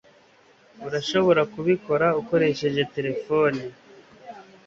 urashobora kubikora ukoresheje terefone